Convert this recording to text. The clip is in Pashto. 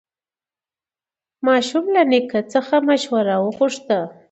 ماشوم له نیکه څخه مشوره وغوښته